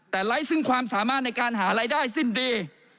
แต่ไร้ซึ่งความสามารถในการหารายได้สิ้นปี